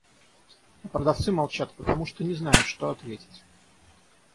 А продавцы молчат, потому что не знают, что ответить.